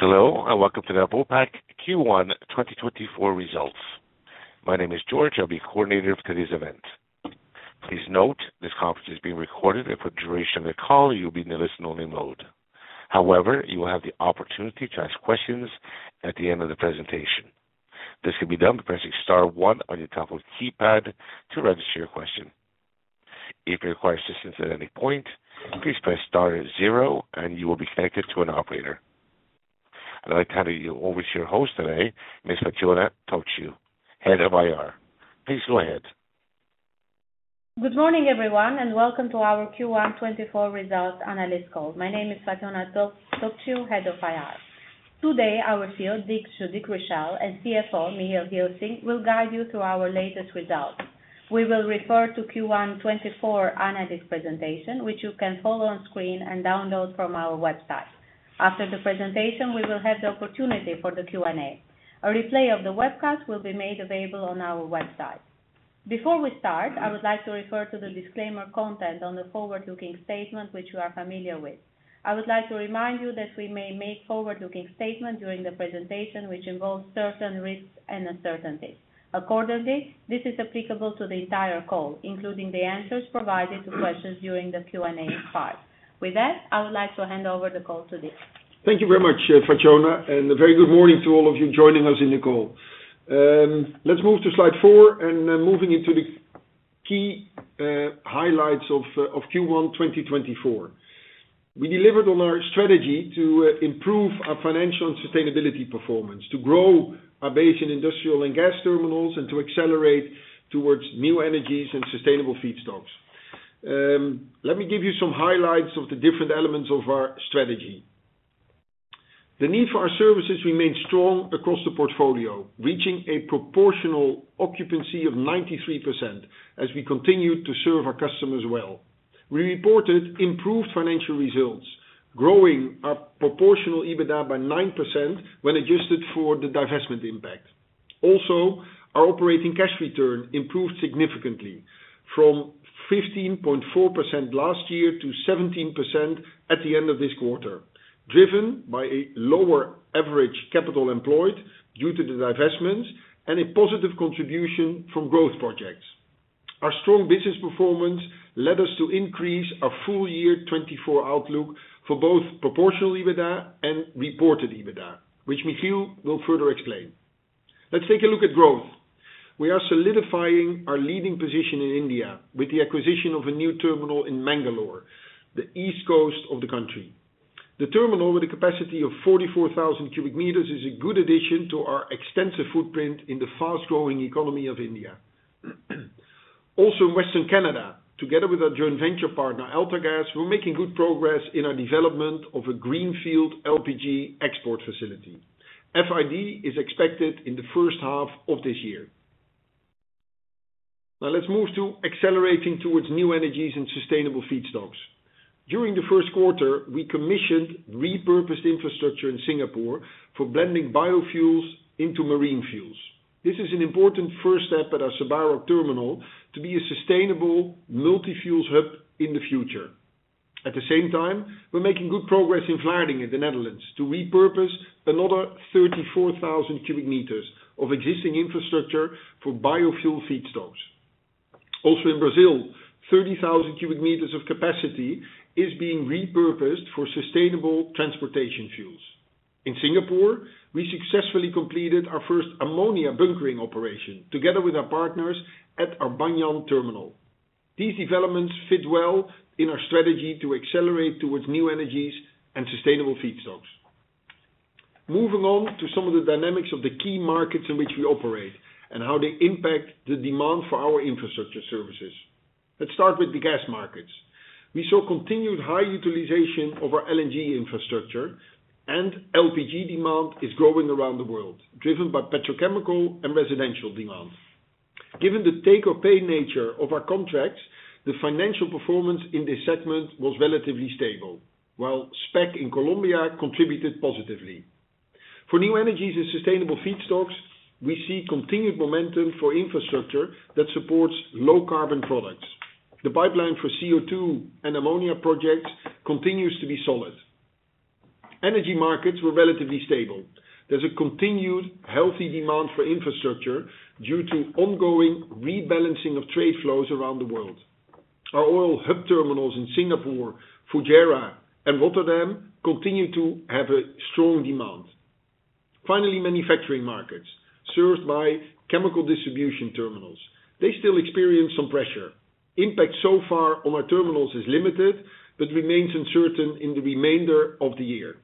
Hello, and welcome to the Vopak Q1 2024 Results. My name is George. I'll be coordinator for today's event. Please note, this conference is being recorded, and for the duration of the call, you'll be in the listen-only mode. However, you will have the opportunity to ask questions at the end of the presentation. This can be done by pressing star one on your telephone keypad to register your question. If you require assistance at any point, please press star zero and you will be connected to an operator. I'd like to hand you over to your host today, Ms. Fatjona Topciu, Head of IR. Please go ahead. Good morning, everyone, and welcome to our Q1 2024 results analyst call. My name is Fatjona Topciu, Head of IR. Today, our CEO, Dick Richelle, and CFO, Michiel Gilsing, will guide you through our latest results. We will refer to Q1 2024 analyst presentation, which you can follow on screen and download from our website. After the presentation, we will have the opportunity for the Q&A. A replay of the webcast will be made available on our website. Before we start, I would like to refer to the disclaimer content on the forward-looking statement, which you are familiar with. I would like to remind you that we may make forward-looking statements during the presentation, which involve certain risks and uncertainties. Accordingly, this is applicable to the entire call, including the answers provided to questions during the Q&A part. With that, I would like to hand over the call to Dick. Thank you very much, Fatjona, and a very good morning to all of you joining us in the call. Let's move to slide 4, and then moving into the key highlights of Q1 2024. We delivered on our strategy to improve our financial and sustainability performance, to grow our base in industrial and gas terminals, and to accelerate towards new energies and sustainable feedstocks. Let me give you some highlights of the different elements of our strategy. The need for our services remained strong across the portfolio, reaching a proportional occupancy of 93% as we continued to serve our customers well. We reported improved financial results, growing our proportional EBITDA by 9% when adjusted for the divestment impact. Also, our operating cash return improved significantly from 15.4% last year to 17% at the end of this quarter, driven by a lower average capital employed due to the divestments and a positive contribution from growth projects. Our strong business performance led us to increase our full year 2024 outlook for both proportional EBITDA and reported EBITDA, which Michiel will further explain. Let's take a look at growth. We are solidifying our leading position in India with the acquisition of a new terminal in Mangalore, the west coast of the country. The terminal, with a capacity of 44,000 cubic meters, is a good addition to our extensive footprint in the fast-growing economy of India. Also, in Western Canada, together with our joint venture partner, AltaGas, we're making good progress in our development of a greenfield LPG export facility. FID is expected in the first half of this year. Now, let's move to accelerating towards new energies and sustainable feedstocks. During the Q1, we commissioned repurposed infrastructure in Singapore for blending biofuels into marine fuels. This is an important first step at our Sakra terminal to be a sustainable multi-fuels hub in the future. At the same time, we're making good progress in Vlaardingen in the Netherlands to repurpose another 34,000 cubic meters of existing infrastructure for biofuel feedstocks. Also, in Brazil, 30,000 cubic meters of capacity is being repurposed for sustainable transportation fuels. In Singapore, we successfully completed our first ammonia bunkering operation together with our partners at our Banyan terminal. These developments fit well in our strategy to accelerate towards new energies and sustainable feedstocks. Moving on to some of the dynamics of the key markets in which we operate and how they impact the demand for our infrastructure services. Let's start with the gas markets. We saw continued high utilization of our LNG infrastructure, and LPG demand is growing around the world, driven by petrochemical and residential demand. Given the take-or-pay nature of our contracts, the financial performance in this segment was relatively stable, while SPEC in Colombia contributed positively. For new energies and sustainable feedstocks, we see continued momentum for infrastructure that supports low carbon products. The pipeline for CO2 and ammonia projects continues to be solid. Energy markets were relatively stable. There's a continued healthy demand for infrastructure due to ongoing rebalancing of trade flows around the world. Our oil hub terminals in Singapore, Fujairah, and Rotterdam continue to have a strong demand. Finally, manufacturing markets served by chemical distribution terminals. They still experience some pressure. Impact so far on our terminals is limited, but remains uncertain in the remainder of the year.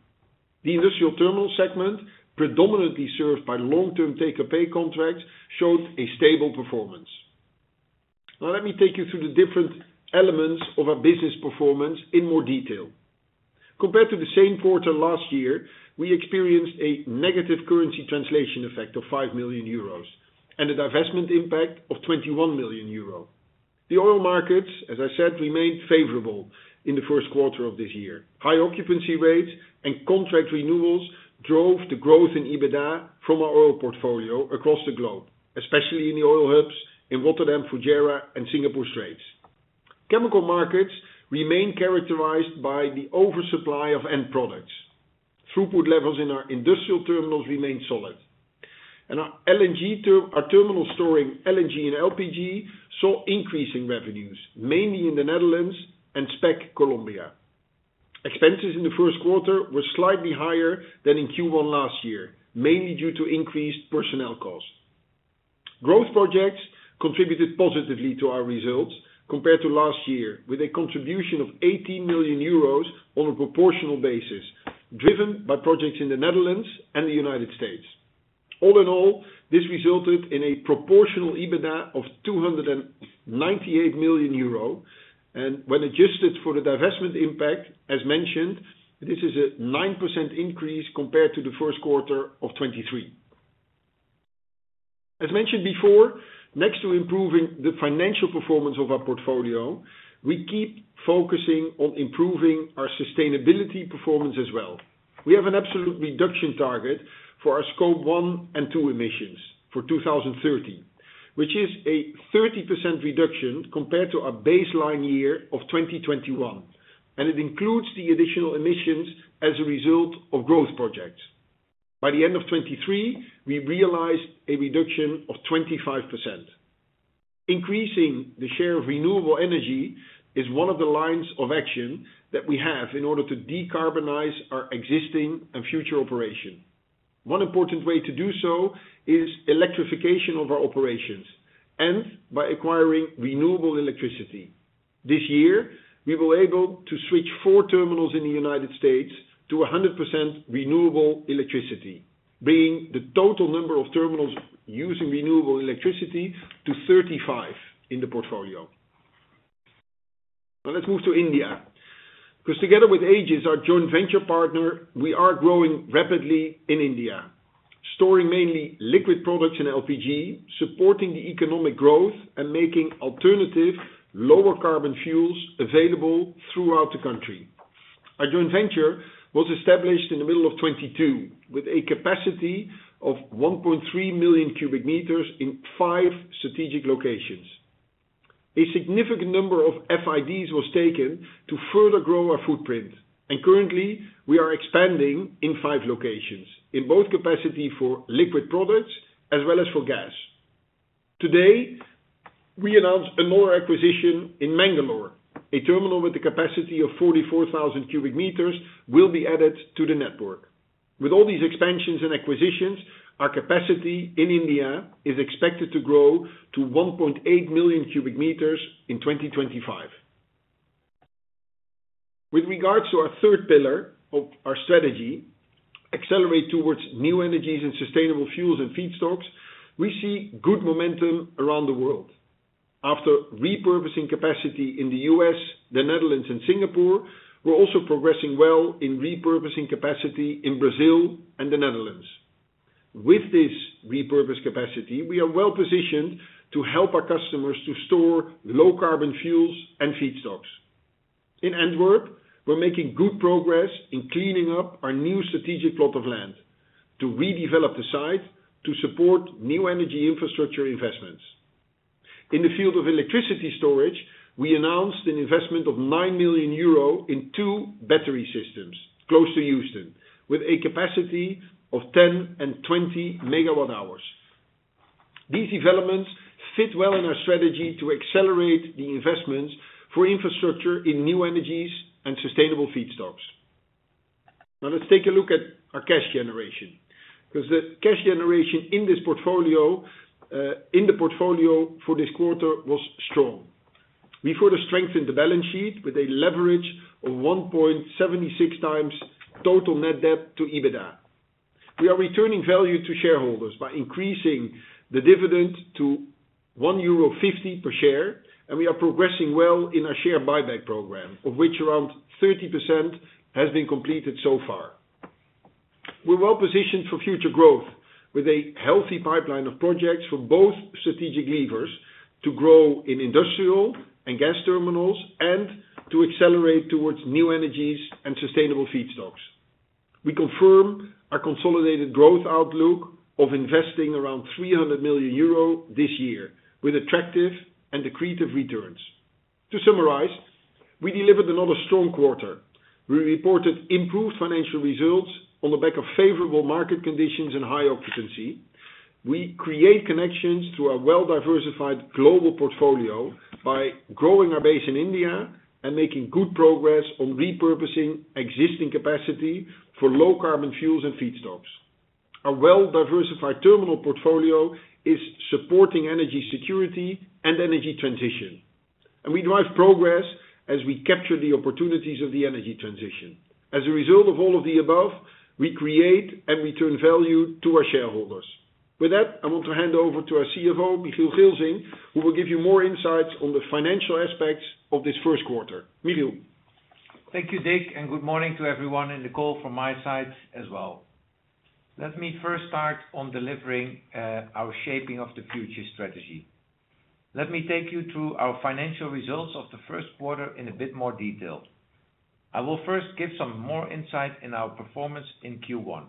The industrial terminal segment, predominantly served by long-term take-or-pay contracts, showed a stable performance. Now, let me take you through the different elements of our business performance in more detail. Compared to the same quarter last year, we experienced a negative currency translation effect of 5 million euros and a divestment impact of 21 million euro. The oil markets, as I said, remained favorable in the Q1 of this year. High occupancy rates and contract renewals drove the growth in EBITDA from our oil portfolio across the globe, especially in the oil hubs in Rotterdam, Fujairah, and Singapore Straits. Chemical markets remain characterized by the oversupply of end products. Throughput levels in our industrial terminals remain solid. Our LNG terminal storing LNG and LPG saw increasing revenues, mainly in the Netherlands and SPEC Colombia. Expenses in the Q1 were slightly higher than in Q1 last year, mainly due to increased personnel costs. Growth projects contributed positively to our results compared to last year, with a contribution of 80 million euros on a proportional basis, driven by projects in the Netherlands and the United States. All in all, this resulted in a proportional EBITDA of 298 million euro, and when adjusted for the divestment impact, as mentioned, this is a 9% increase compared to the Q1 of 2023. As mentioned before, next to improving the financial performance of our portfolio, we keep focusing on improving our sustainability performance as well. We have an absolute reduction target for our Scope 1 and 2 emissions for 2030, which is a 30% reduction compared to our baseline year of 2021, and it includes the additional emissions as a result of growth projects. By the end of 2023, we realized a reduction of 25%. Increasing the share of renewable energy is one of the lines of action that we have in order to decarbonize our existing and future operation. One important way to do so is electrification of our operations and by acquiring renewable electricity. This year, we were able to switch 4 terminals in the United States to 100% renewable electricity, bringing the total number of terminals using renewable electricity to 35 in the portfolio. Now let's move to India, 'cause together with Aegis, our joint venture partner, we are growing rapidly in India, storing mainly liquid products and LPG, supporting the economic growth and making alternative, lower carbon fuels available throughout the country. Our joint venture was established in the middle of 2022 with a capacity of 1.3 million cubic meters in five strategic locations. A significant number of FIDs was taken to further grow our footprint, and currently, we are expanding in five locations, in both capacity for liquid products as well as for gas. Today, we announced another acquisition in Mangalore. A terminal with a capacity of 44,000 cubic meters will be added to the network. With all these expansions and acquisitions, our capacity in India is expected to grow to 1.8 million cubic meters in 2025. With regards to our third pillar of our strategy, accelerate towards new energies and sustainable fuels and feedstocks, we see good momentum around the world. After repurposing capacity in the U.S., the Netherlands and Singapore, we're also progressing well in repurposing capacity in Brazil and the Netherlands. With this repurposed capacity, we are well positioned to help our customers to store low carbon fuels and feedstocks. In Antwerp, we're making good progress in cleaning up our new strategic plot of land to redevelop the site to support new energy infrastructure investments. In the field of electricity storage, we announced an investment of 9 million euro in two battery systems close to Houston, with a capacity of 10 and 20 MWh. These developments fit well in our strategy to accelerate the investments for infrastructure in new energies and sustainable feedstocks. Now, let's take a look at our cash generation, because the cash generation in this portfolio, in the portfolio for this quarter was strong. We further strengthened the balance sheet with a leverage of 1.76x total net debt to EBITDA. We are returning value to shareholders by increasing the dividend to 1.50 euro per share, and we are progressing well in our share buyback program, of which around 30% has been completed so far. We're well positioned for future growth with a healthy pipeline of projects for both strategic levers to grow in industrial and gas terminals and to accelerate towards new energies and sustainable feedstocks. We confirm our consolidated growth outlook of investing around 300 million euro this year, with attractive and accretive returns. To summarize, we delivered another strong quarter. We reported improved financial results on the back of favorable market conditions and high occupancy. We create connections to our well-diversified global portfolio by growing our base in India and making good progress on repurposing existing capacity for low carbon fuels and feedstocks. Our well-diversified terminal portfolio is supporting energy security and energy transition, and we drive progress as we capture the opportunities of the energy transition. As a result of all of the above, we create and return value to our shareholders. With that, I want to hand over to our CFO, Michiel Gilsing, who will give you more insights on the financial aspects of this Q1. Michiel? Thank you, Dick, and good morning to everyone in the call from my side as well. Let me first start on delivering our Shaping of the Future strategy. Let me take you through our financial results of the Q1 in a bit more detail. I will first give some more insight in our performance in Q1,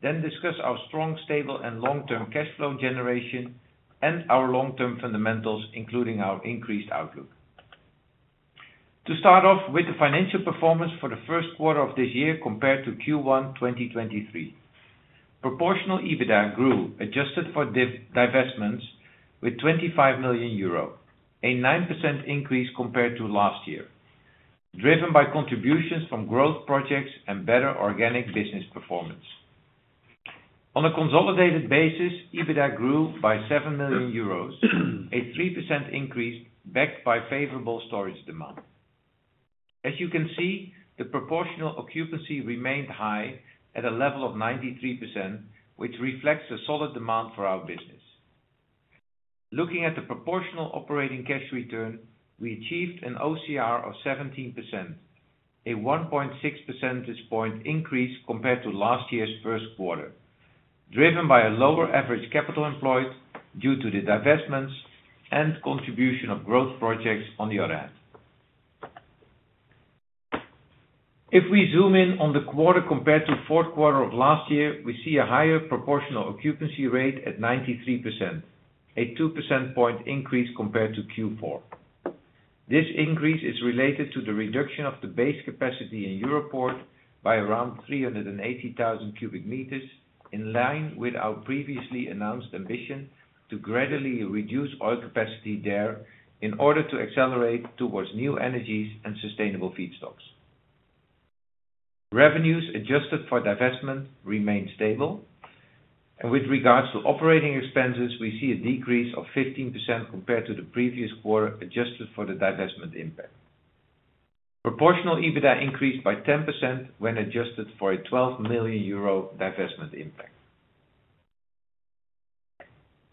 then discuss our strong, stable, and long-term cash flow generation and our long-term fundamentals, including our increased outlook.... To start off with the financial performance for the Q1 of this year compared to Q1 2023. Proportional EBITDA grew, adjusted for divestments with 25 million euro, a 9% increase compared to last year, driven by contributions from growth projects and better organic business performance. On a consolidated basis, EBITDA grew by 7 million euros, a 3% increase backed by favorable storage demand. As you can see, the proportional occupancy remained high at a level of 93%, which reflects a solid demand for our business. Looking at the proportional operating cash return, we achieved an OCR of 17%, a 1.6 percentage point increase compared to last year's Q1, driven by a lower average capital employed due to the divestments and contribution of growth projects on the other hand. If we zoom in on the quarter compared to Q4 of last year, we see a higher proportional occupancy rate at 93%, a 2 percentage point increase compared to Q4. This increase is related to the reduction of the base capacity in Europoort by around 380,000 cubic meters, in line with our previously announced ambition to gradually reduce oil capacity there in order to accelerate towards new energies and sustainable feedstocks. Revenues adjusted for divestment remained stable, and with regards to operating expenses, we see a decrease of 15% compared to the previous quarter, adjusted for the divestment impact. Proportional EBITDA increased by 10% when adjusted for a 12 million euro divestment impact.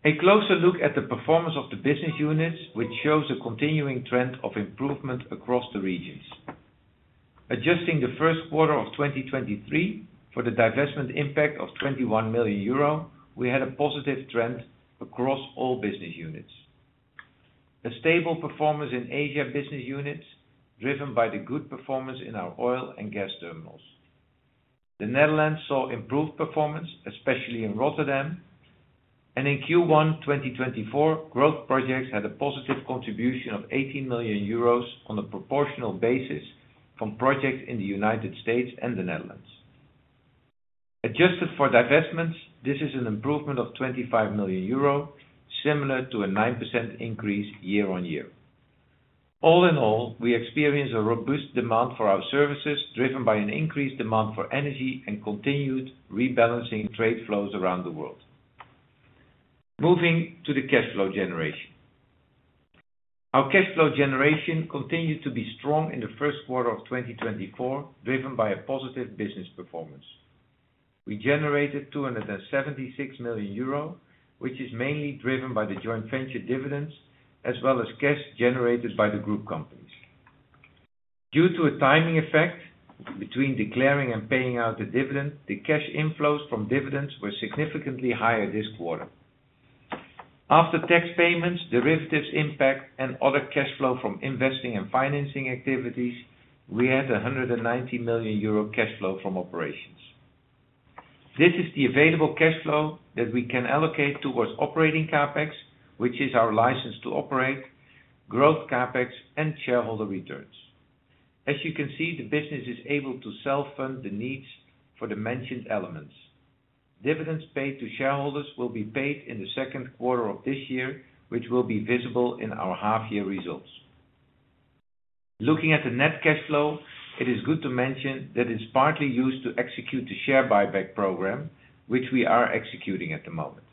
A closer look at the performance of the business units, which shows a continuing trend of improvement across the regions. Adjusting the Q1 of 2023 for the divestment impact of 21 million euro, we had a positive trend across all business units. A stable performance in Asia business units, driven by the good performance in our oil and gas terminals. The Netherlands saw improved performance, especially in Rotterdam, and in Q1 2024, growth projects had a positive contribution of 80 million euros on a proportional basis from projects in the United States and the Netherlands. Adjusted for divestments, this is an improvement of 25 million euro, similar to a 9% increase year-on-year. All in all, we experience a robust demand for our services, driven by an increased demand for energy and continued rebalancing trade flows around the world. Moving to the cash flow generation. Our cash flow generation continued to be strong in the Q1 of 2024, driven by a positive business performance. We generated 276 million euro, which is mainly driven by the joint venture dividends, as well as cash generated by the group companies. Due to a timing effect between declaring and paying out the dividend, the cash inflows from dividends were significantly higher this quarter. After tax payments, derivatives impact, and other cash flow from investing and financing activities, we had 190 million euro cash flow from operations. This is the available cash flow that we can allocate towards operating CapEx, which is our license to operate, growth CapEx, and shareholder returns. As you can see, the business is able to self-fund the needs for the mentioned elements. Dividends paid to shareholders will be paid in the Q2 of this year, which will be visible in our half year results. Looking at the net cash flow, it is good to mention that it's partly used to execute the share buyback program, which we are executing at the moment.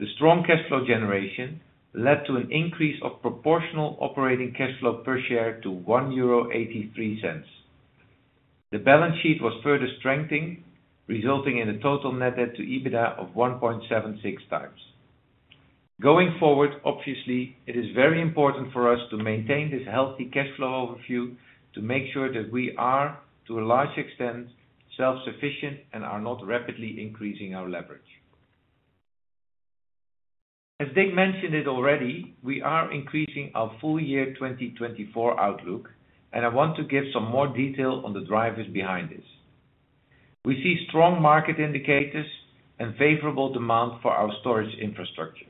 The strong cash flow generation led to an increase of proportional operating cash flow per share to 1.83 euro. The balance sheet was further strengthening, resulting in a total net debt to EBITDA of 1.76 times. Going forward, obviously, it is very important for us to maintain this healthy cash flow overview to make sure that we are, to a large extent, self-sufficient and are not rapidly increasing our leverage. As Dick mentioned it already, we are increasing our full year 2024 outlook, and I want to give some more detail on the drivers behind this. We see strong market indicators and favorable demand for our storage infrastructure.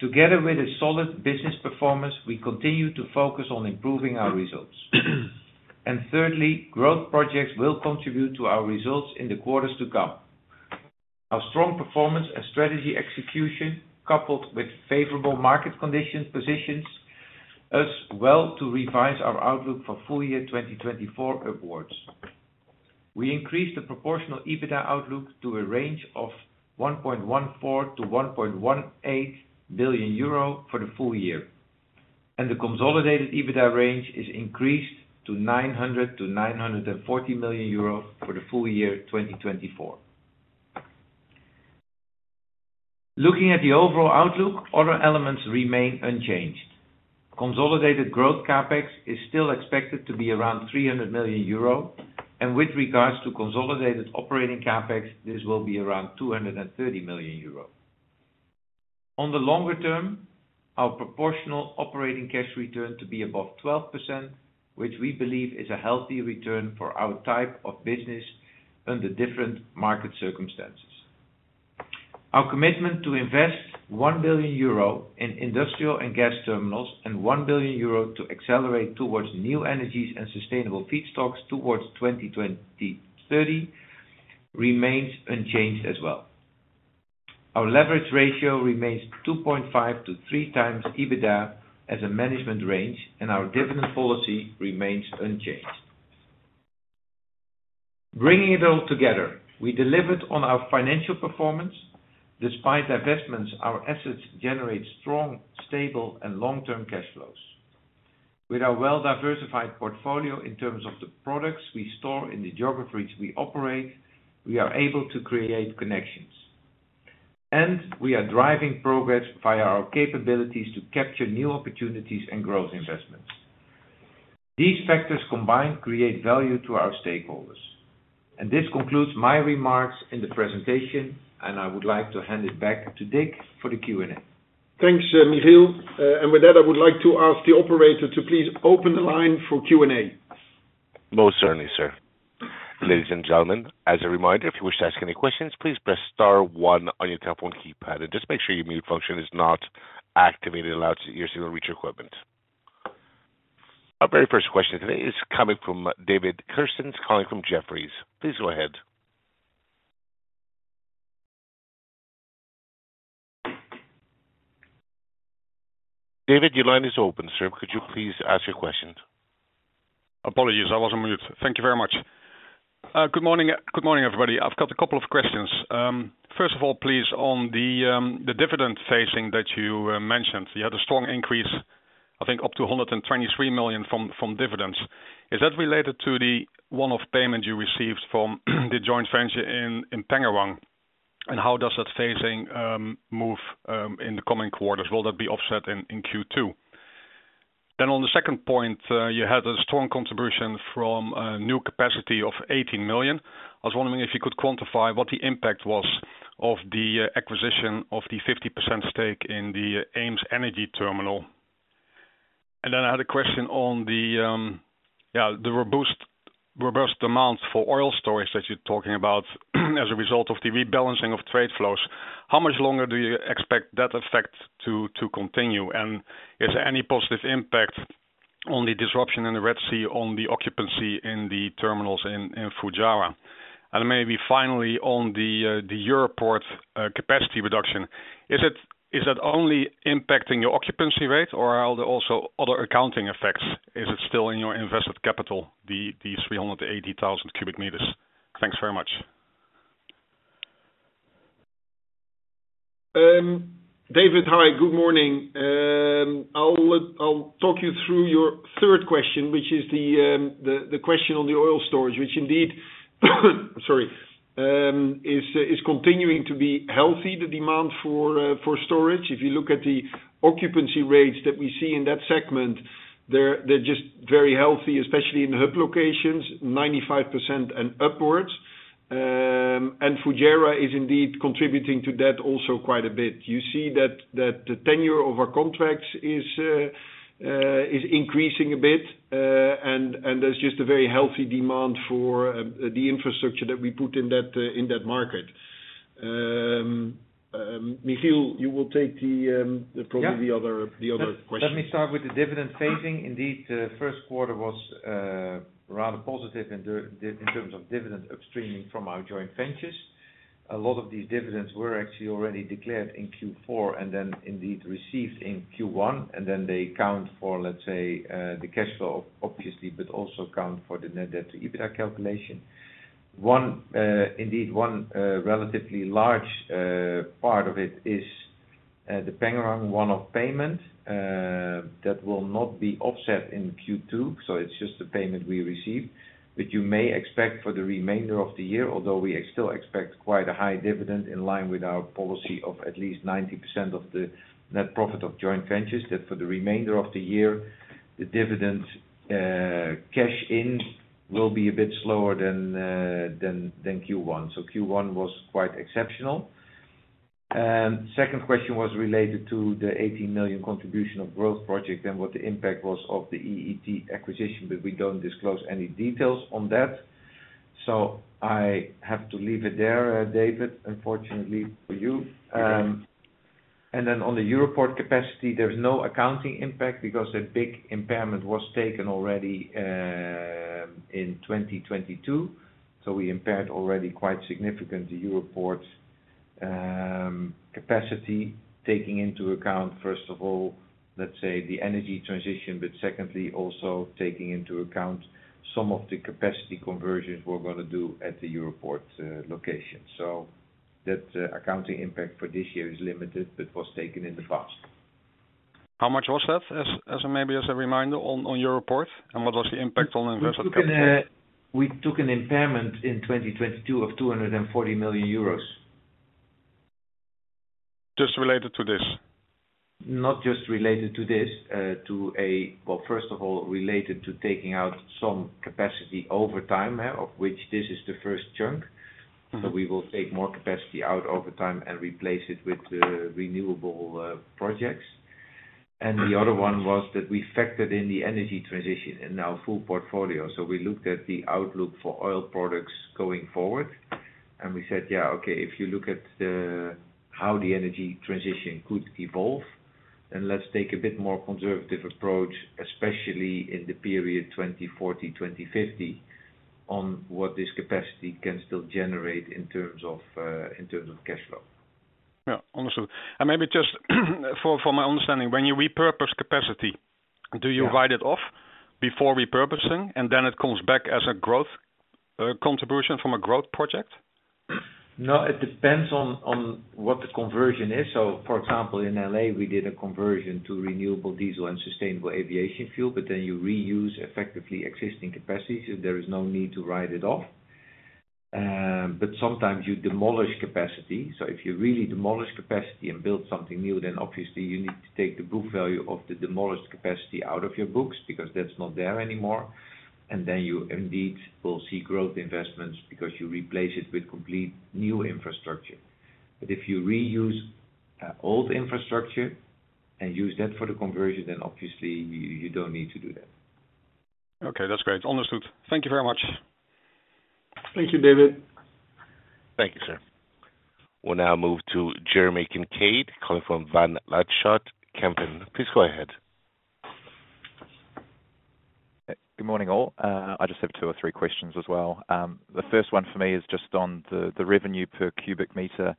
Together with a solid business performance, we continue to focus on improving our results. And thirdly, growth projects will contribute to our results in the quarters to come. Our strong performance and strategy execution, coupled with favorable market condition, positions us well to revise our outlook for full year 2024 upwards. We increased the proportional EBITDA outlook to a range of 1.14 billion-1.18 billion euro for the full year, and the consolidated EBITDA range is increased to 900 million-940 million euro for the full year 2024. Looking at the overall outlook, other elements remain unchanged. Consolidated growth CapEx is still expected to be around 300 million euro, and with regards to consolidated operating CapEx, this will be around 230 million euro. On the longer term, our proportional operating cash return to be above 12%, which we believe is a healthy return for our type of business under different market circumstances. Our commitment to invest 1 billion euro in industrial and gas terminals and 1 billion euro to accelerate towards new energies and sustainable feedstocks towards 2020-2030 remains unchanged as well. Our leverage ratio remains 2.5-3 times EBITDA as a management range, and our dividend policy remains unchanged. Bringing it all together, we delivered on our financial performance. Despite divestments, our assets generate strong, stable, and long-term cash flows. With our well-diversified portfolio in terms of the products we store in the geographies we operate, we are able to create connections, and we are driving progress via our capabilities to capture new opportunities and growth investments. These factors combined create value to our stakeholders. This concludes my remarks in the presentation, and I would like to hand it back to Dick for the Q&A. Thanks, Michiel. And with that, I would like to ask the operator to please open the line for Q&A. Most certainly, sir. Ladies and gentlemen, as a reminder, if you wish to ask any questions, please press star one on your telephone keypad and just make sure your mute function is not activated and allow the operator to hear you in your reach equipment. Our very first question today is coming from David Kerstens, calling from Jefferies. Please go ahead. David, your line is open, sir. Could you please ask your question? Apologies, I was on mute. Thank you very much. Good morning, good morning, everybody. I've got a couple of questions. First of all, please, on the dividend phasing that you mentioned, you had a strong increase, I think, up to 123 million from dividends. Is that related to the one-off payment you received from the joint venture in Pengerang? And how does that phasing move in the coming quarters? Will that be offset in Q2? Then on the second point, you had a strong contribution from new capacity of 18 million. I was wondering if you could quantify what the impact was of the acquisition of the 50% stake in the EemsEnergyTerminal. Then I had a question on the robust, robust demand for oil storage that you're talking about, as a result of the rebalancing of trade flows. How much longer do you expect that effect to continue? And is there any positive impact on the disruption in the Red Sea, on the occupancy in the terminals in Fujairah? And maybe finally, on the Europoort capacity reduction, is it only impacting your occupancy rate, or are there also other accounting effects? Is it still in your invested capital, the 380,000 cubic meters? Thanks very much. David, hi, good morning. I'll talk you through your third question, which is the question on the oil storage, which indeed, sorry, is continuing to be healthy, the demand for storage. If you look at the occupancy rates that we see in that segment, they're just very healthy, especially in hub locations, 95% and upwards. And Fujairah is indeed contributing to that also quite a bit. You see that the tenure of our contracts is increasing a bit, and there's just a very healthy demand for the infrastructure that we put in that market. Michiel, you will take the probably the other- Yeah. The other questions. Let me start with the dividend phasing. Indeed, the Q1 was rather positive in terms of dividend upstreaming from our joint ventures. A lot of these dividends were actually already declared in Q4 and then indeed received in Q1, and then they account for, let's say, the cash flow, obviously, but also account for the net debt to EBITDA calculation. Indeed, one relatively large part of it is the Pengerang one-off payment. That will not be offset in Q2, so it's just a payment we received. But you may expect for the remainder of the year, although we still expect quite a high dividend in line with our policy of at least 90% of the net profit of joint ventures, that for the remainder of the year, the dividend cash-in will be a bit slower than Q1. So Q1 was quite exceptional. Second question was related to the 18 million contribution of growth project and what the impact was of the EET acquisition, but we don't disclose any details on that. So I have to leave it there, David, unfortunately for you. And then on the Europoort capacity, there's no accounting impact because a big impairment was taken already in 2022. So we impaired already quite significantly the Europoort capacity, taking into account, first of all, let's say, the energy transition, but secondly, also taking into account some of the capacity conversions we're gonna do at the Europoort location. So that accounting impact for this year is limited, but was taken in the past. How much was that? As maybe a reminder on your report, and what was the impact on investment? We took an impairment in 2022 of 240 million euros. Just related to this? Not just related to this. Well, first of all, related to taking out some capacity over time, of which this is the first chunk. Mm-hmm. So we will take more capacity out over time and replace it with the renewable projects. The other one was that we factored in the energy transition in our full portfolio. So we looked at the outlook for oil products going forward, and we said, "Yeah, okay, if you look at how the energy transition could evolve, then let's take a bit more conservative approach, especially in the period 2040, 2050, on what this capacity can still generate in terms of cash flow. Yeah. Understood. And maybe just for my understanding, when you repurpose capacity- Yeah... do you write it off before repurposing, and then it comes back as a growth, contribution from a growth project? No, it depends on, on what the conversion is. So for example, in LA, we did a conversion to renewable diesel and sustainable aviation fuel, but then you reuse effectively existing capacity, so there is no need to write it off. But sometimes you demolish capacity. So if you really demolish capacity and build something new, then obviously you need to take the book value of the demolished capacity out of your books, because that's not there anymore. And then you indeed will see growth investments, because you replace it with complete new infrastructure. But if you reuse old infrastructure and use that for the conversion, then obviously you don't need to do that. Okay, that's great. Understood. Thank you very much. Thank you, David. Thank you, sir. We'll now move to Jeremy Kincaid calling from Van Lanschot Kempen. Please go ahead. Good morning, all. I just have two or three questions as well. The first one for me is just on the revenue per cubic meter.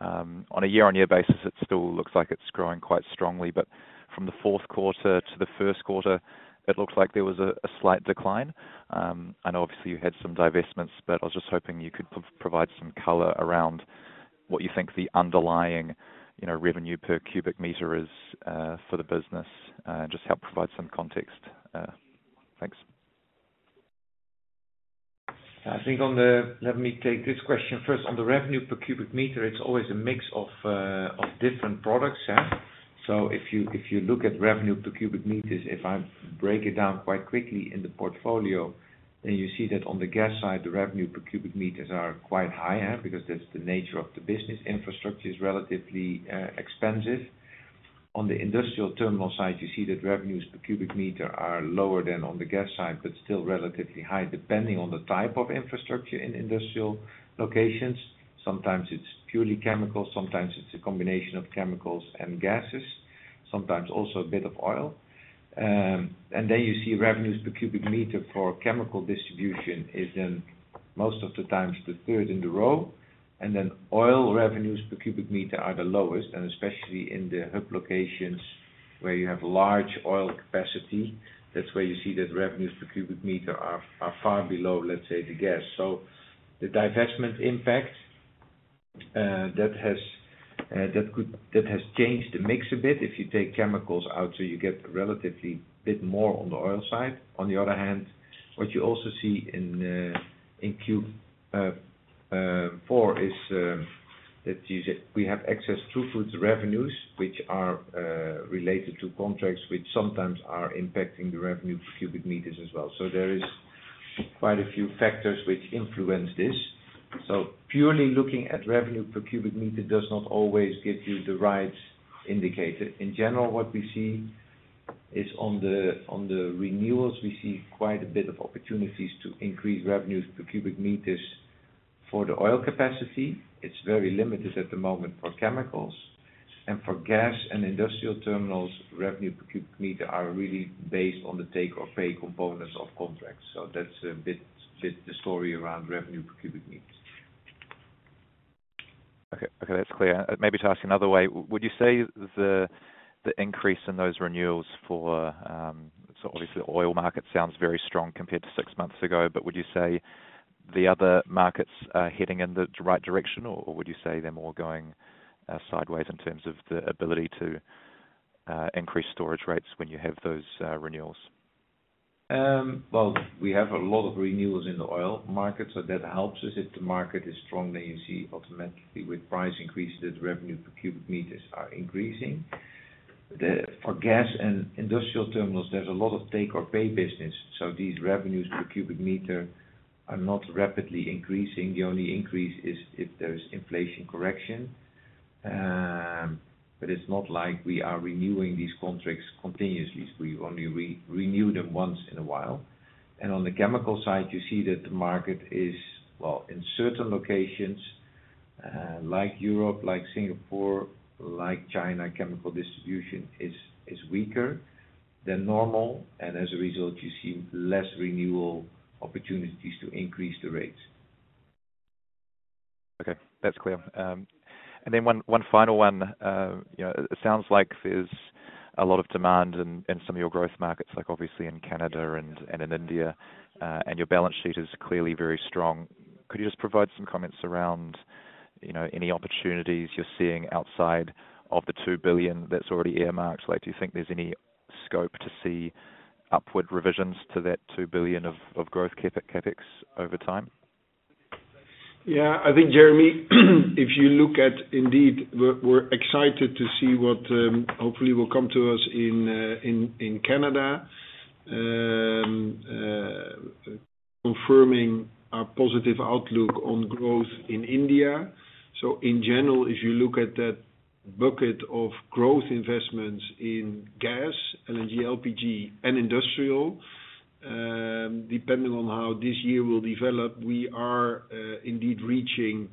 On a year-over-year basis, it still looks like it's growing quite strongly, but from the Q4 to the Q1, it looks like there was a slight decline. I know obviously you had some divestments, but I was just hoping you could provide some color around what you think the underlying, you know, revenue per cubic meter is for the business, just help provide some context. Thanks. I think on the... Let me take this question first. On the revenue per cubic meter, it's always a mix of, of different products, yeah? So if you, if you look at revenue per cubic meters, if I break it down quite quickly in the portfolio, then you see that on the gas side, the revenue per cubic meters are quite high, because that's the nature of the business. Infrastructure is relatively, expensive. On the industrial terminal side, you see that revenues per cubic meter are lower than on the gas side, but still relatively high, depending on the type of infrastructure in industrial locations. Sometimes it's purely chemical, sometimes it's a combination of chemicals and gases, sometimes also a bit of oil. And then you see revenues per cubic meter for chemical distribution is in most of the times the third in the row, and then oil revenues per cubic meter are the lowest, and especially in the hub locations where you have large oil capacity. That's where you see that revenues per cubic meter are far below, let's say, the gas. So the divestment impact that has changed the mix a bit if you take chemicals out, so you get relatively bit more on the oil side. On the other hand, what you also see in Q4 is, we have excess throughput revenues, which are related to contracts, which sometimes are impacting the revenue per cubic meters as well. So there is quite a few factors which influence this. So purely looking at revenue per cubic meter does not always give you the right indicator. In general, what we see is on the renewals, we see quite a bit of opportunities to increase revenues per cubic meters. For the oil capacity, it's very limited at the moment for chemicals. And for gas and industrial terminals, revenue per cubic meter are really based on the take-or-pay components of contracts. So that's a bit the story around revenue per cubic meter. Okay, okay, that's clear. Maybe to ask another way, would you say the increase in those renewals for, so obviously, the oil market sounds very strong compared to six months ago, but would you say the other markets are heading in the right direction, or would you say they're more going sideways in terms of the ability to increase storage rates when you have those renewals? Well, we have a lot of renewals in the oil market, so that helps us. If the market is strong, then you see automatically with price increases, revenue per cubic meters are increasing. For gas and industrial terminals, there's a lot of take-or-pay business, so these revenues per cubic meter are not rapidly increasing. The only increase is if there's inflation correction. But it's not like we are renewing these contracts continuously. We only re-renew them once in a while. And on the chemical side, you see that the market is, well, in certain locations, like Europe, like Singapore, like China, chemical distribution is weaker than normal, and as a result, you see less renewal opportunities to increase the rates. Okay, that's clear. And then one final one. You know, it sounds like there's a lot of demand in some of your growth markets, like obviously in Canada and in India, and your balance sheet is clearly very strong. Could you just provide some comments around, you know, any opportunities you're seeing outside of the 2 billion that's already earmarked? Like, do you think there's any scope to see upward revisions to that 2 billion of growth CapEx over time? Yeah, I think, Jeremy, if you look at indeed, we're excited to see what hopefully will come to us in Canada.... confirming our positive outlook on growth in India. So in general, if you look at that bucket of growth investments in gas, LNG, LPG, and industrial, depending on how this year will develop, we are indeed reaching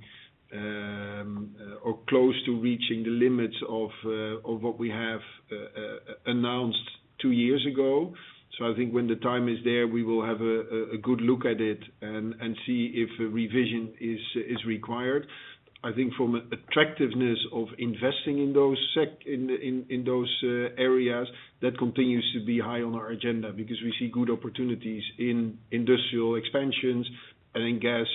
or close to reaching the limits of what we have announced two years ago. So I think when the time is there, we will have a good look at it and see if a revision is required. I think from attractiveness of investing in those sectors in those areas, that continues to be high on our agenda, because we see good opportunities in industrial expansions and in gas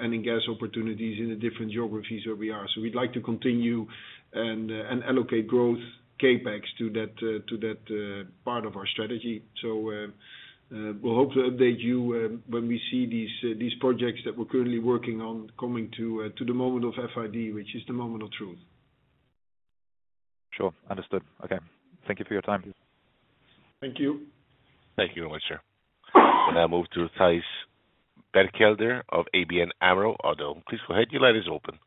and in gas opportunities in the different geographies where we are. So we'd like to continue and allocate growth CapEx to that part of our strategy. So, we'll hope to update you when we see these projects that we're currently working on coming to the moment of FID, which is the moment of truth. Sure. Understood. Okay. Thank you for your time. Thank you. Thank you very much, sir. And I move to Thijs Berkelder of ABN AMRO Oddo. Please go ahead, your line is open.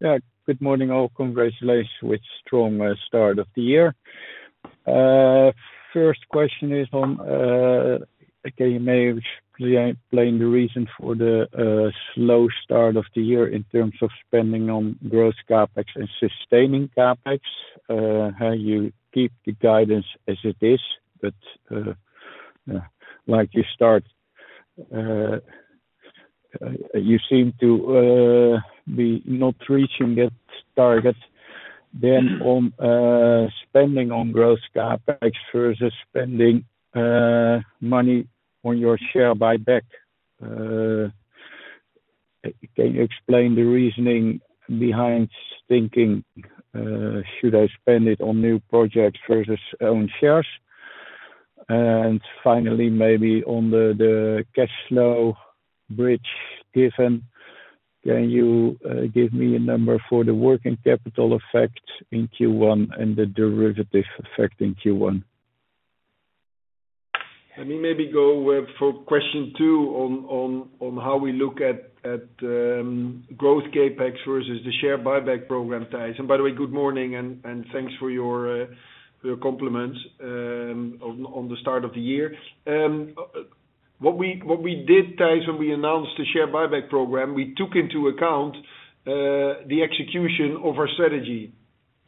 Yeah, good morning, all. Congratulations with strong start of the year. First question is on, okay, you may explain the reason for the slow start of the year in terms of spending on growth CapEx and sustaining CapEx. How you keep the guidance as it is, but, like you start, you seem to be not reaching that target. Then on, spending on growth CapEx versus spending money on your share buyback. Can you explain the reasoning behind thinking, should I spend it on new projects versus own shares? And finally, maybe on the cash flow bridge given, can you give me a number for the working capital effect in Q1 and the derivative effect in Q1? Let me maybe go for question two on how we look at growth CapEx versus the share buyback program, Thijs. By the way, good morning, and thanks for your compliments on the start of the year. What we did, Thijs, when we announced the share buyback program, we took into account the execution of our strategy.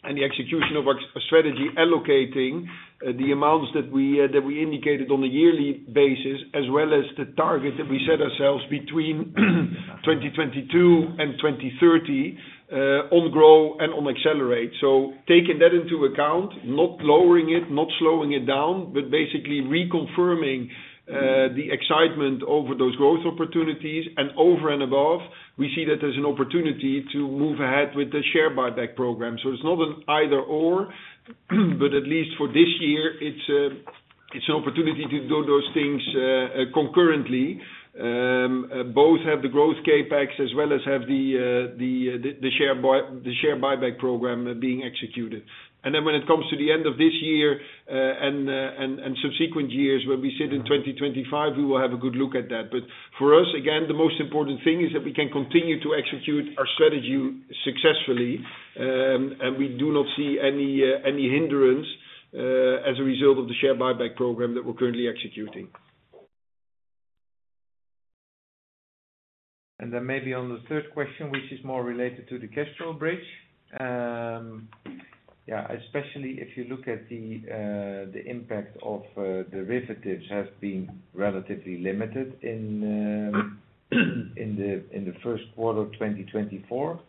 And the execution of our strategy, allocating the amounts that we indicated on a yearly basis, as well as the target that we set ourselves between 2022 and 2030 on grow and on accelerate. So taking that into account, not lowering it, not slowing it down, but basically reconfirming the excitement over those growth opportunities, and over and above, we see that there's an opportunity to move ahead with the share buyback program. So it's not an either/or, but at least for this year, it's, it's an opportunity to do those things concurrently. Both have the growth CapEx as well as have the, the, the, the share buy-- the share buyback program being executed. And then when it comes to the end of this year, and, and, and subsequent years, when we sit in 2025, we will have a good look at that. But for us, again, the most important thing is that we can continue to execute our strategy successfully, and we do not see any hindrance as a result of the share buyback program that we're currently executing. And then maybe on the third question, which is more related to the cash flow bridge. Yeah, especially if you look at the impact of derivatives has been relatively limited in the Q1 of 2024.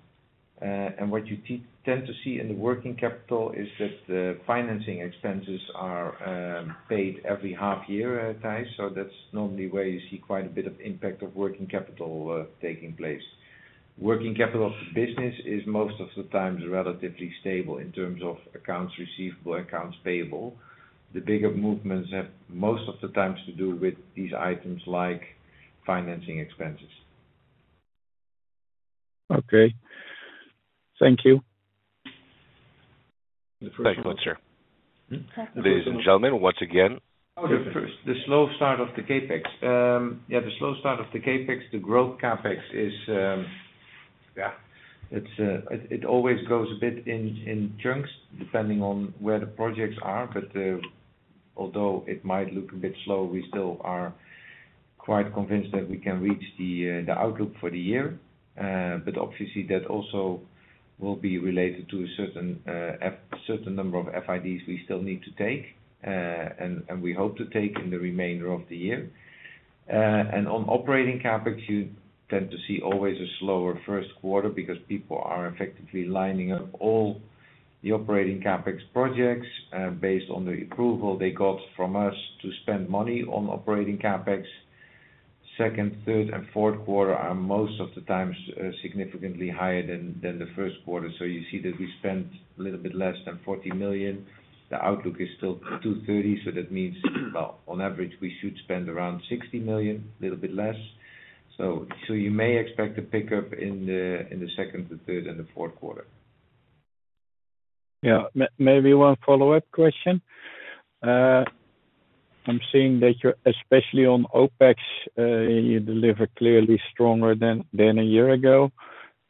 And what you tend to see in the working capital is that the financing expenses are paid every half year at times. So that's normally where you see quite a bit of impact of working capital taking place. Working capital of the business is most of the times relatively stable in terms of accounts receivable, accounts payable. The bigger movements have, most of the times, to do with these items like financing expenses. Okay. Thank you. Thank you, sir. Ladies and gentlemen, once again- Oh, the slow start of the CapEx. Yeah, the slow start of the CapEx, the growth CapEx is, yeah, it's, it always goes a bit in chunks, depending on where the projects are. But although it might look a bit slow, we still are quite convinced that we can reach the outlook for the year. But obviously, that also will be related to a certain number of FIDs we still need to take, and we hope to take in the remainder of the year. And on operating CapEx, you tend to see always a slower Q1, because people are effectively lining up all the operating CapEx projects, based on the approval they got from us to spend money on operating CapEx. Second, third, and Q4 are most of the times significantly higher than the Q1. So you see that we spent a little bit less than 40 million. The outlook is still 230 million, so that means, well, on average, we should spend around 60 million, a little bit less. So you may expect a pickup in the second, the third, and the Q4.... Yeah, maybe one follow-up question. I'm seeing that you're, especially on OpEx, you deliver clearly stronger than a year ago.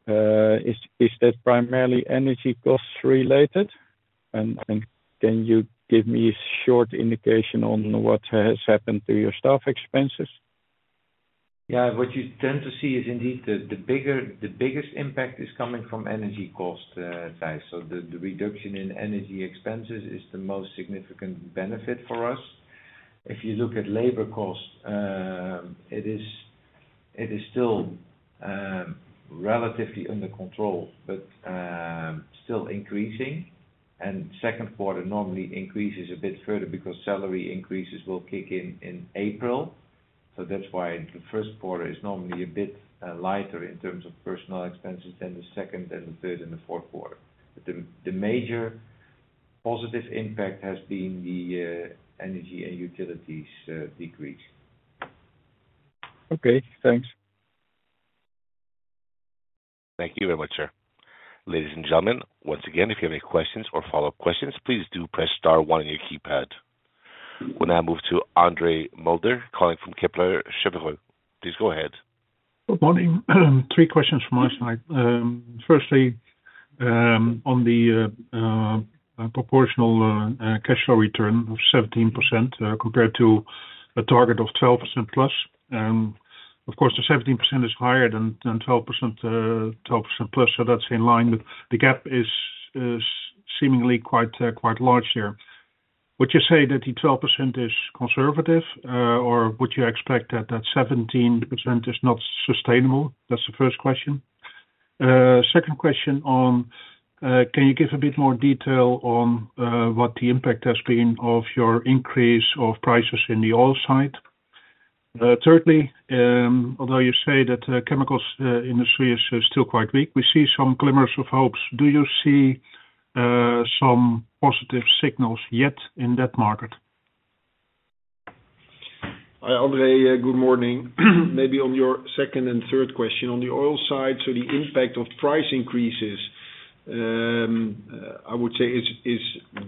Is that primarily energy costs related? And can you give me a short indication on what has happened to your staff expenses? Yeah, what you tend to see is indeed the biggest impact is coming from energy cost side. So the reduction in energy expenses is the most significant benefit for us. If you look at labor costs, it is still relatively under control, but still increasing, and Q2 normally increases a bit further because salary increases will kick in in April. So that's why the Q1 is normally a bit lighter in terms of personnel expenses than the second, and the third, and the Q4. But the major positive impact has been the energy and utilities decrease. Okay, thanks. Thank you very much, sir. Ladies and gentlemen, once again, if you have any questions or follow-up questions, please do press star one on your keypad. We'll now move to Andre Mulder, calling from Kepler Cheuvreux. Please go ahead. Good morning. Three questions from my side. Firstly, on the proportional cash flow return of 17%, compared to a target of 12%+. Of course, the 17% is higher than 12%, 12%+, so that's in line, but the gap is seemingly quite large here. Would you say that the 12% is conservative, or would you expect that that 17% is not sustainable? That's the first question. Second question on, can you give a bit more detail on, what the impact has been of your increase of prices in the oil side? Thirdly, although you say that, chemicals industry is still quite weak, we see some glimmers of hopes. Do you see, some positive signals yet in that market? Hi, Andre, good morning. Maybe on your second and third question. On the oil side, so the impact of price increases, I would say is, is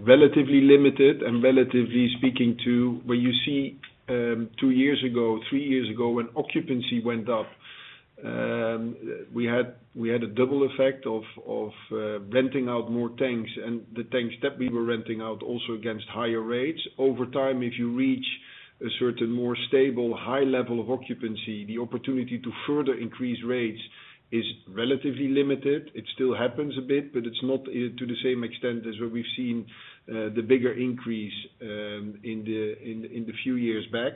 relatively limited and relatively speaking to when you see, two years ago, three years ago, when occupancy went up, we had, we had a double effect of, of, renting out more tanks and the tanks that we were renting out also against higher rates. Over time, if you reach a certain more stable, high level of occupancy, the opportunity to further increase rates is relatively limited. It still happens a bit, but it's not, to the same extent as what we've seen, the bigger increase, in the, in the, in the few years back.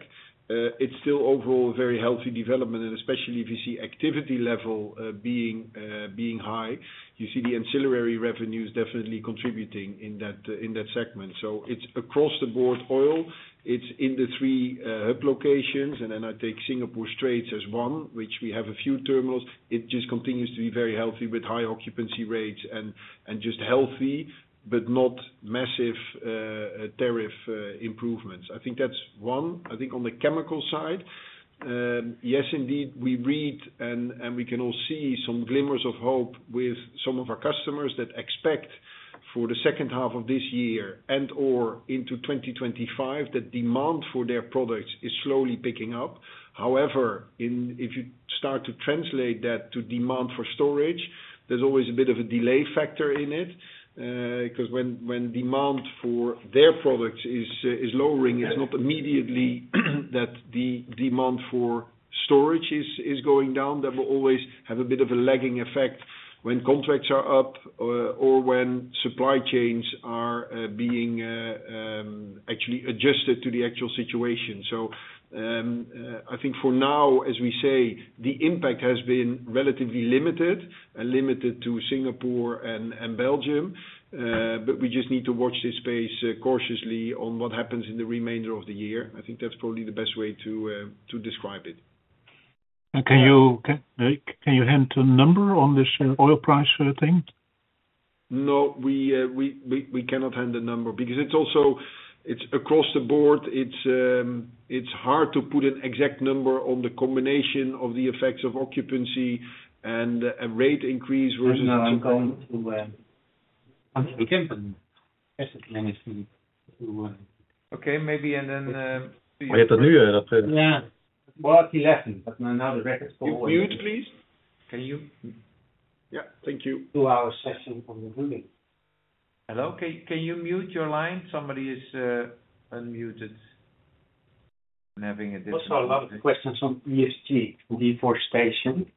It's still overall a very healthy development, and especially if you see activity level being high, you see the ancillary revenues definitely contributing in that, in that segment. So it's across the board oil. It's in the three hub locations, and then I take Singapore Straits as one, which we have a few terminals. It just continues to be very healthy with high occupancy rates and just healthy, but not massive tariff improvements. I think that's one. I think on the chemical side, yes, indeed, we read and we can all see some glimmers of hope with some of our customers that expect for the second half of this year and, or into 2025, that demand for their products is slowly picking up. However, in... If you start to translate that to demand for storage, there's always a bit of a delay factor in it, 'cause when demand for their products is lowering, it's not immediately that the demand for storage is going down. That will always have a bit of a lagging effect when contracts are up, or when supply chains are being actually adjusted to the actual situation. So, I think for now, as we say, the impact has been relatively limited and limited to Singapore and Belgium, but we just need to watch this space cautiously on what happens in the remainder of the year. I think that's probably the best way to describe it. Can you hand a number on this oil price thing? No, we cannot hand a number because it's also... it's across the board. It's hard to put an exact number on the combination of the effects of occupancy and a rate increase versus- And now I'm going to, Okay, maybe, and then, Yeah. Well, he left him, but now the record- Mute, please. Can you? Yeah. Thank you. 2-hour session on the ruling. Hello, can you mute your line? Somebody is unmuted and having a difficult- Also, a lot of questions on ESG deforestation,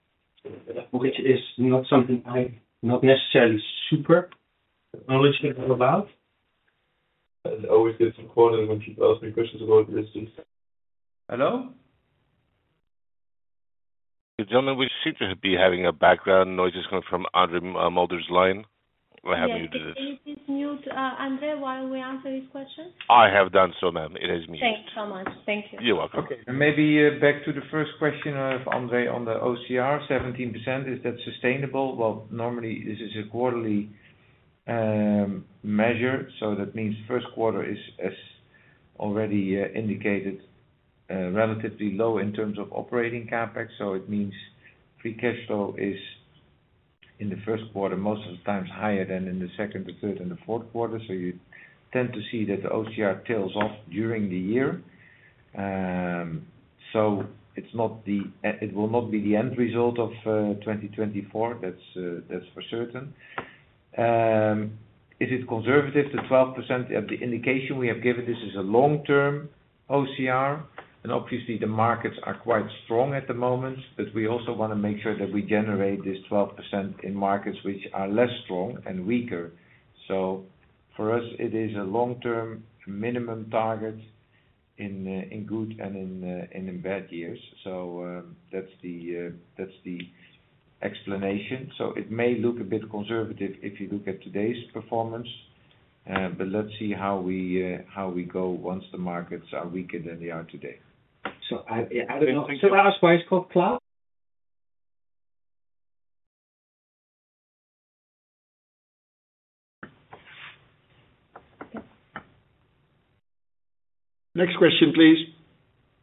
which is not something I'm not necessarily super knowledgeable about. I always get supported when people ask me questions about this. Hello? Gentlemen, we seem to be having a background noise coming from Andre Mulder's line. We're happy to- Yes, please mute, Andre, while we answer his question. I have done so, ma'am. It is muted. Thanks so much. Thank you. You're welcome. Okay, and maybe back to the first question of Andre on the OCR, 17%, is that sustainable? Well, normally this is a quarterly measure, so that means Q1 is, as already indicated, relatively low in terms of operating CapEx. So it means free cash flow is, in the Q1, most of the times higher than in the second, the third, and the Q4. So you tend to see that the OCR tails off during the year. So it's not the... it will not be the end result of 2024. That's for certain. Is it conservative, the 12%? Of the indication we have given, this is a long-term OCR, and obviously, the markets are quite strong at the moment, but we also wanna make sure that we generate this 12% in markets which are less strong and weaker. So for us, it is a long-term minimum target in good and in bad years. So, that's the explanation. So it may look a bit conservative if you look at today's performance, but let's see how we go once the markets are weaker than they are today. So I, yeah, I don't know. So can I ask why it's called Cloud? Next question, please.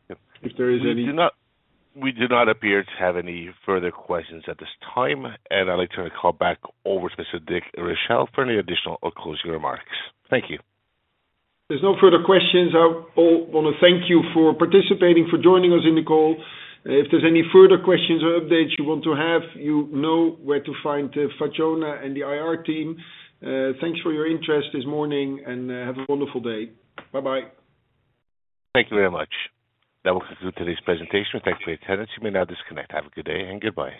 Yep. If there is any. We do not, we do not appear to have any further questions at this time, and I'd like to call back over to Dick Richelle for any additional or closing remarks. Thank you. If there's no further questions, I all wanna thank you for participating, for joining us in the call. If there's any further questions or updates you want to have, you know where to find Fatjona and the IR team. Thanks for your interest this morning, and, have a wonderful day. Bye-bye. Thank you very much. That will conclude today's presentation. Thank you for your attendance. You may now disconnect. Have a good day and goodbye.